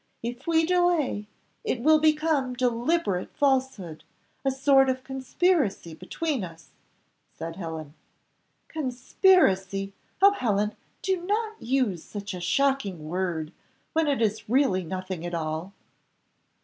If we delay, it will become deliberate falsehood, a sort of conspiracy between us," said Helen. "Conspiracy! Oh, Helen, do not use such a shocking word, when it is really nothing at all."